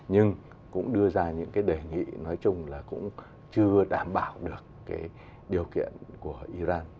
nhưng cũng đưa ra những cái đề nghị nói chung là cũng chưa đảm bảo được cái điều kiện của iran